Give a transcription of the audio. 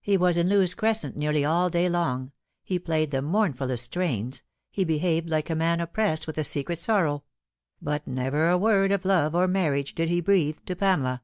He was in Lewes Crescent nearly all day long he played the mournfullest strains he behaved like a man oppressed with a secret sorrow ; but never a word of love or marriage did he breathe to Pamela.